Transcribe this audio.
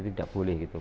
tidak boleh gitu